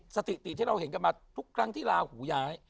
สถิติที่เราเห็นกันมาทุกครั้งที่ลาหูย้าย